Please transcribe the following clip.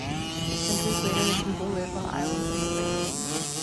Centuries later, the people live on islands in the Great Sea.